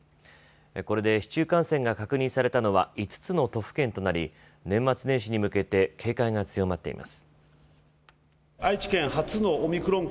これで市中感染が確認されたのは５つの都府県となり年末年始に向けて警戒が強まっています。